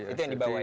itu yang dibawa ya